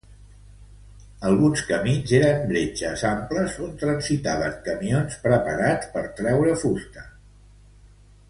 Alguns camins eren bretxes amples on transitaven camions preparats per traure fusta.